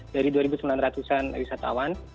dari dua sembilan ratus an wisatawan